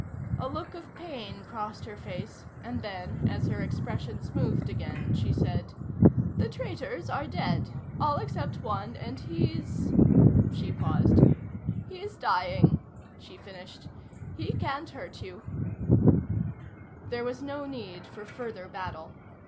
A look of pain crossed her face, and then, as her expression smoothed again, she said: "The traitors are dead. All except one, and he's " She paused. "He's dying," she finished. "He can't hurt you." There was no need for further battle.